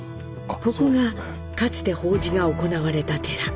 ここがかつて法事が行われた寺。